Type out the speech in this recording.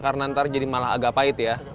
karena nanti jadi malah agak pahit ya